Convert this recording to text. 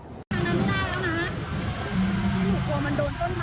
เฮ้ยมันอยู่แบบ